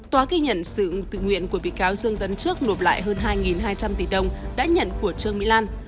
tòa ghi nhận sự tự nguyện của bị cáo dương tấn trước nộp lại hơn hai hai trăm linh tỷ đồng đã nhận của trương mỹ lan